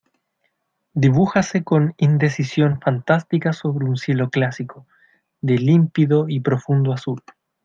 dibújase con indecisión fantástica sobre un cielo clásico, de límpido y profundo azul.